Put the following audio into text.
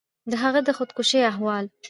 د هغه د خودکشي احوال